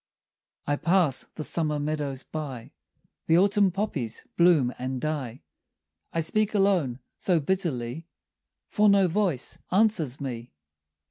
I pass the summer meadows by, The autumn poppies bloom and die; I speak alone so bitterly For no voice answers me.